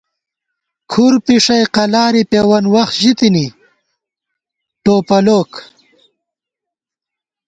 کھُر پھِݭَئ قلارےپېوَن وخت ژِتِنی، ٹوپَلوک